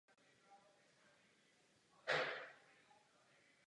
Svátek má Richard.